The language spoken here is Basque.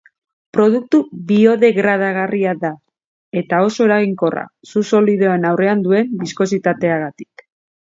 Produktu biodegradagarria da, eta oso eraginkorra, su solidoen aurrean duen biskositateagatik.